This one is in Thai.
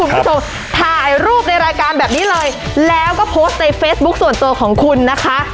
คุณผู้ชมถ่ายรูปในรายการแบบนี้เลยแล้วก็โพสต์ในเฟซบุ๊คส่วนตัวของคุณนะคะ